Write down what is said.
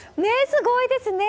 すごいですね！